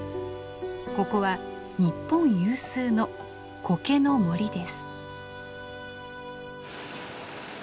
ここは日本有数のコケの森です。